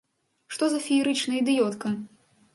Што за феерычная ідыётка!